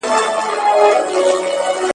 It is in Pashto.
اقتصادي او کورنيو چارو کي خپلواکه وي